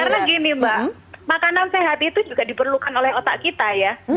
karena gini mbak makanan sehat itu juga diperlukan oleh otak kita ya